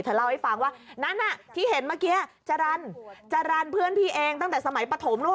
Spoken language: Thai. เล่าให้ฟังว่านั้นที่เห็นเมื่อกี้จรรย์จรรย์เพื่อนพี่เองตั้งแต่สมัยปฐมนู้น